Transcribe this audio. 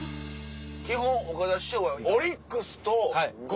基本岡田師匠は。